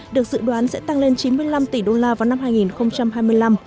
được dự đoán sẽ tăng lên chín mươi năm tỷ đô la vào năm hai nghìn hai mươi năm